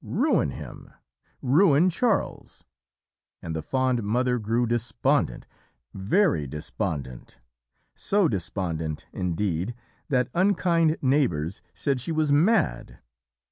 "Ruin HIM ruin Charles and the fond mother grew despondent, very despondent, so despondent indeed that unkind neighbours said she was mad.